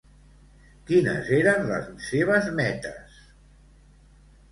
Quines eren les seves metes?